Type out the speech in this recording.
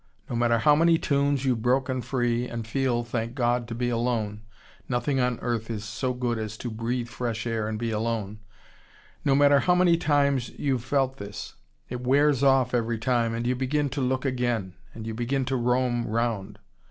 No matter how many tunes you've broken free, and feel, thank God to be alone (nothing on earth is so good as to breathe fresh air and be alone), no matter how many times you've felt this it wears off every time, and you begin to look again and you begin to roam round.